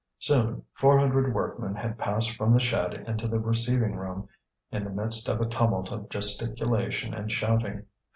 Soon four hundred workmen had passed from the shed into the receiving room, in the midst of a tumult of gesticulation and shouting.